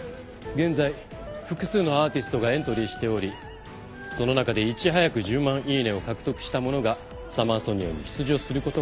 現在複数のアーティストがエントリーしておりその中でいち早く１０万イイネを獲得した者がサマーソニアに出場することができます。